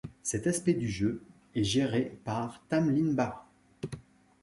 Cet aspect du jeu est géré par Tamlynn Barra.